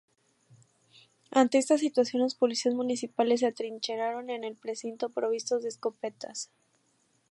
Ante esta situación los policías municipales se atrincheraron en el Precinto, provistos de escopetas.